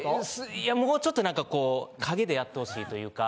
いやもうちょっとなんかこう陰でやってほしいというか。